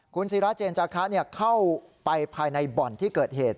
คุณศิราเจนจาคะเข้าไปภายในบ่อนที่เกิดเหตุ